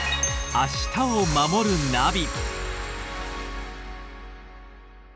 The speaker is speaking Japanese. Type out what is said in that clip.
「明日をまもるナビ」